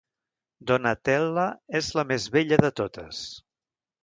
Donatella és la més bella de totes.